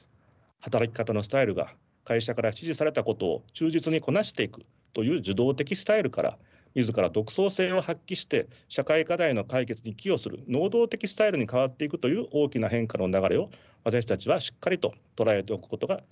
働き方のスタイルが会社から指示されたことを忠実にこなしていくという受動的スタイルから自ら独創性を発揮して社会課題の解決に寄与する能動的スタイルに変わっていくという大きな変化の流れを私たちはしっかりと捉えておくことが大切だと思います。